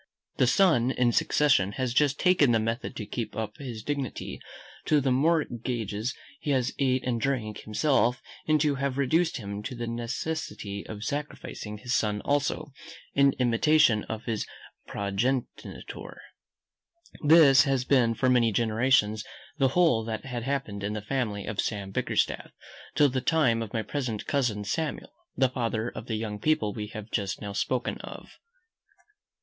The son, in succession, has just taken the same method to keep up his dignity, till the mortgages he has ate and drank himself into have reduced him to the necessity of sacrificing his son also, in imitation of his progenitor. This had been for many generations, the whole that had happened in the family of Sam Bickerstaff, till the time of my present cousin Samuel, the father of the young people we have just now spoken of.